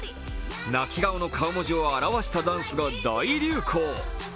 泣き顔の顔文字を表したダンスが大流行。